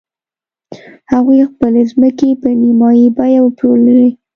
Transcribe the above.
هغوی خپلې ځمکې په نیمايي بیه وپلورلې.